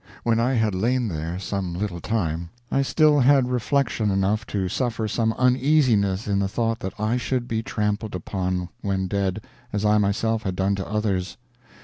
When I had lain there some little time, I still had reflection enough to suffer some uneasiness in the thought that I should be trampled upon, when dead, as I myself had done to others.